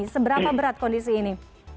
seberapa berat kondisi ini